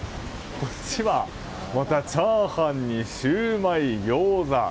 こっちはチャーハンにシュウマイギョーザ。